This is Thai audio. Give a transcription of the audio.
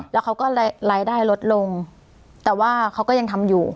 แล้วเขาก็รายได้ลดลงแต่ว่าเขาก็ยังทำอยู่